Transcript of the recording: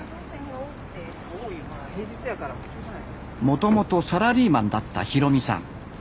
もともとサラリーマンだった弘巳さん。